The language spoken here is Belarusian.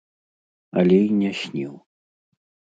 Але і не сніў.